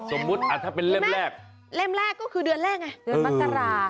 สมมุติถ้าเป็นเล่มแรกเล่มแรกก็คือเดือนแรกไงเดือนมกรา